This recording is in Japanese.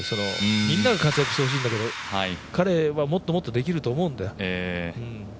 みんなに活躍してほしいけど彼は、もっともっとできると思うんだ。